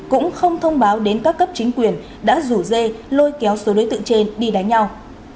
cũng không thông báo đến các cấp chính quyền đã rủ dê lôi kéo số đối tượng trên đi đánh nhau